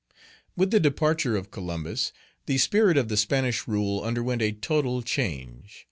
With the departure of Columbus, the spirit of the Spanish rule underwent a total change.